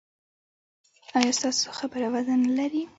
ایا ستاسو خبره وزن نلري؟